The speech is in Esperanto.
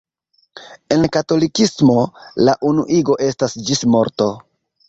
En katolikismo, la unuigo estas ĝis morto.